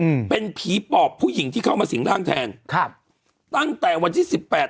อืมเป็นผีปอบผู้หญิงที่เข้ามาสิงร่างแทนครับตั้งแต่วันที่สิบแปด